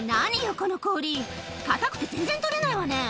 この氷硬くて全然取れないわね」